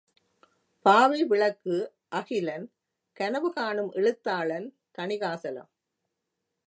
பாவை விளக்கு —அகிலன்— கனவு காணும் எழுத்தாளன் தணிகாசலம்.